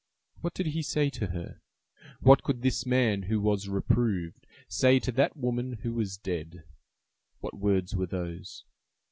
What did he say to her? What could this man, who was reproved, say to that woman, who was dead? What words were those?